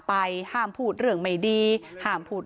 เพราะพ่อเชื่อกับจ้างหักขาวโพด